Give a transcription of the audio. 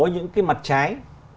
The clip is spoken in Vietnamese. những cái mặt trái